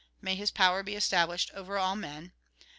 May His power be established over all men.